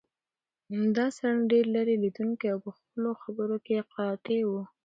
دا سړی ډېر لیرې لیدونکی او په خپلو خبرو کې قاطع و.